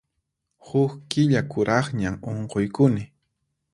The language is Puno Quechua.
Huk killa kuraqñam unquykuni.